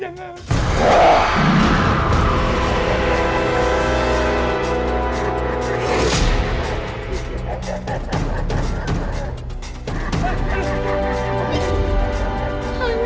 jangan jangan jangan